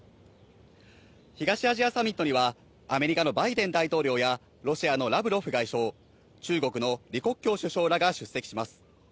東アジアサミットにはアメリカのバイデン大統領やロシアのラブロフ外相、中国のリ・コッキョウ首相らが出席します。